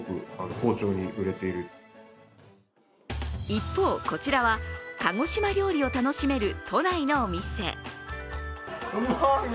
一方、こちらは鹿児島料理を楽しめる都内のお店。